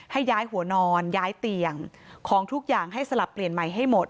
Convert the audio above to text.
ให้ย้ายหัวนอนย้ายเตียงของทุกอย่างให้สลับเปลี่ยนใหม่ให้หมด